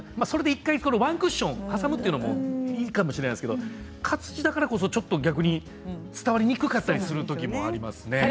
それで１回ワンクッション挟むというのもいいかもしれないですけど活字だからこそちょっと伝わりにくかったりするときもありますね。